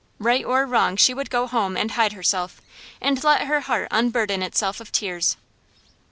Right or wrong she would go home, and hide herself, and let her heart unburden itself of tears.